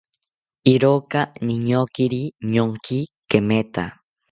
Iroka niñokiri noonki kemetha